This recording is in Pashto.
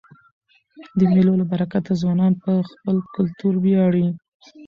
د مېلو له برکته ځوانان په خپل کلتور وياړي.